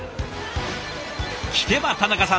聞けば田中さん